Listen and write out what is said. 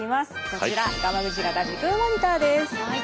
こちらガマグチ型時空モニターです。